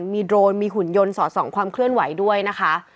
มีโดรนมีหุ่นยนสอดส่องความเคลื่อนไหวด้วยนะคะ